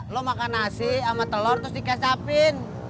lo makan nasi ama telor terus di kecapin